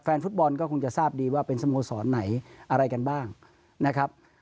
แฟนฟุตบอลก็คงจะทราบดีว่าเป็นสโมสรไหนอะไรกันบ้างนะครับ